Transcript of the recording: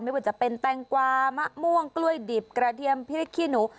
ไม่ว่าจะเป็นแตงกวามะม่วงกล้วยดิบกระเทียมพริกขี้หนู